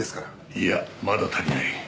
いやまだ足りない。